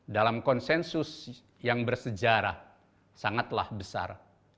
dalam konsensus yang bersejarah sangatlah besar